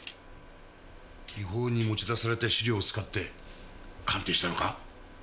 違法に持ち出された資料を使って鑑定したのか？